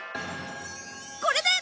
これで！